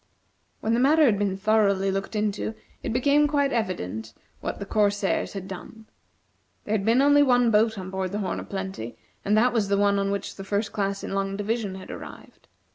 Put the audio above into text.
When the matter had been thoroughly looked into, it became quite evident what the corsairs had done. There had been only one boat on board the "Horn o' Plenty," and that was the one on which the First Class in Long Division had arrived.